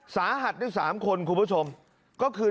สาหัสได้๓คนคุณผู้ชมก็คือ